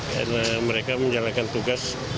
karena mereka menjalankan tugas